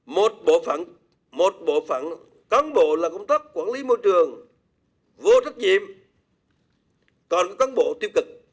một bộ phẳng một bộ phẳng các bộ là công tác quản lý môi trường vô trách nhiệm còn các bộ tiêu cực